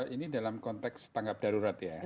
ini dalam konteks tanggap darurat ya